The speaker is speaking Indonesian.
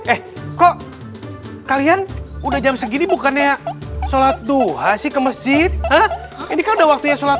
eh kok kalian udah jam segini bukannya sholat duha sih ke masjid eh ini kan udah waktunya sholat